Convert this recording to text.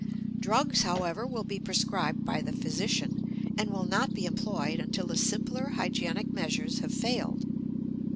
Drugs, however, will be prescribed by the physician, and will not be employed until the simpler hygienic measures have failed.